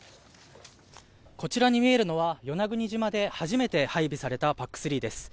こちらに見えるのは与那国島で初めて配備されたＰＡＣ３です。